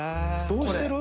どうしてる？